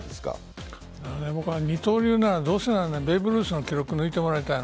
僕は、二刀流ならどうせならベーブ・ルースの記録抜いてもらいたい。